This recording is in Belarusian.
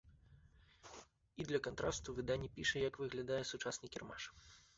І для кантрасту выданне піша, як выглядае сучасны кірмаш.